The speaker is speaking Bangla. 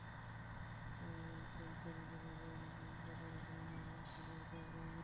ক্যাম্পে নেদা নিজেও এখন পর্যন্ত কারও কোনো ধরনের সাহায্য নিতে আগ্রহী নন।